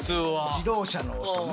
自動車の音ね。